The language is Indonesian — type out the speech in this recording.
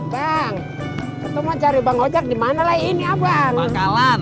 bang cuma cari bang ocak dimana lainnya bang kalam